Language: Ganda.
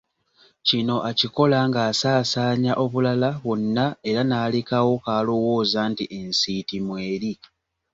Kino akikola ng’asaasaanya obulala bwonna era n’alekawo k’alowooza nti ensiiti mw’eri.